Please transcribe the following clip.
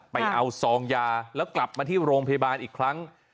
ไปเอาซองยาแล้วกลับมาที่โรงพยาบาลอีกครั้ง